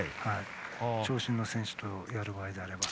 長身の選手とやる場合であれば。